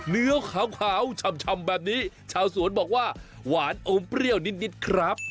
เนื้อขาวชำแบบนี้ชาวสวนบอกว่าหวานอมเปรี้ยวนิดครับ